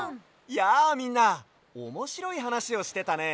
やあみんなおもしろいはなしをしてたね。